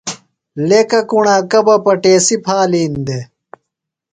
لیکہ کُݨاکہ بہ پٹیسی پھالِین دےۡ۔